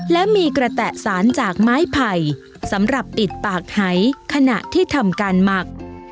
และมีกระแตะสารจากไม้ไผ่สำหรับปิดปากหายขณะที่ทำการหมัก